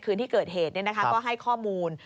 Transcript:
คืนที่เกิดเหตุก็ให้ข้อมูล